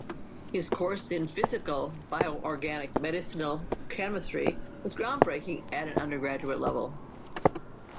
His course in Physical Bio-Organic Medicinal Chemistry was ground-breaking at an undergraduate level.